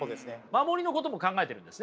守りのことも考えてるんですね。